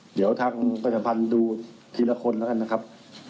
เดี๋ยวทางประชาพันธ์ดูทีละคนแล้วกันนะครับ